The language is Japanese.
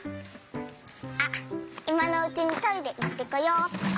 あっいまのうちにトイレいってこよっと！